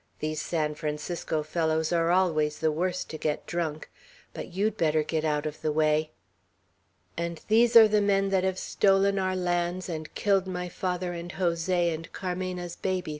These San Francisco fellows are always the worst to get drunk. But you'd better get out of the way!" "And these are the men that have stolen our lands, and killed my father, and Jose, and Carmena's baby!"